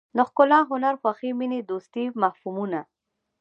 د ښکلا هنر خوښۍ مینې دوستۍ مفهومونه.